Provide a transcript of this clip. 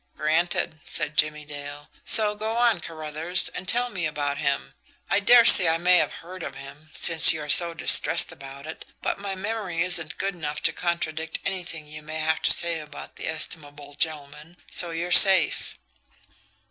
"Granted," said Jimmie Dale. "So go on, Carruthers, and tell me about him I dare say I may have heard of him, since you are so distressed about it, but my memory isn't good enough to contradict anything you may have to say about the estimable gentleman, so you're safe."